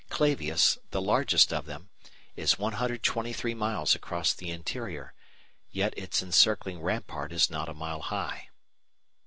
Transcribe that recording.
Clavius, the largest of them, is 123 miles across the interior, yet its encircling rampart is not a mile high.